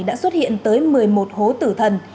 đã xuất hiện tới một mươi một hố tử thần